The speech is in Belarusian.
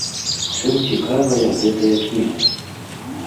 Чым цікавая гэтая кніга?